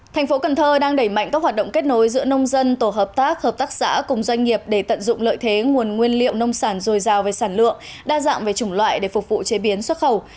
thành phố cần thơ đang đẩy mạnh các hoạt động kết nối giữa nông dân tổ hợp tác hợp tác xã cùng doanh nghiệp để tận dụng lợi thế nguồn nguyên liệu nông sản dồi dào về sản lượng đa dạng về chủng loại để phục vụ chế biến xuất khẩu